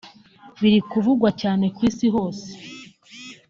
biri kuvugwa cyane ku isi hose